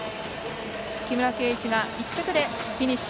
木村敬一、１着でフィニッシュ。